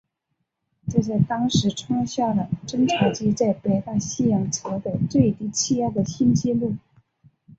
这在当时创下了侦察机在北大西洋测得最低气压的新纪录。